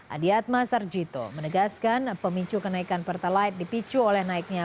adiatma sarjito menegaskan pemicu kenaikan pertalite dipicu oleh naiknya